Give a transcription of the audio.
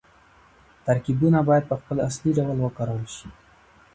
ترکيبونه بايد په خپل اصلي ډول وکارول شي.